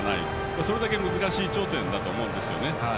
それだけ難しい頂点だと思うんですね。